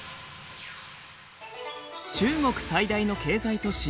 中国最大の経済都市